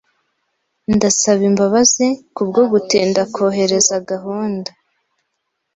Ndasaba imbabazi kubwo gutinda kohereza gahunda.